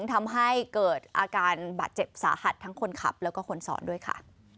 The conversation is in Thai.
ทำให้เกิดอาการบาดเจ็บสาหัสทั้งคนขับแล้วก็คนสอนด้วยค่ะ